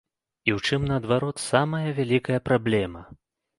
І ў чым, наадварот, самая вялікая праблема?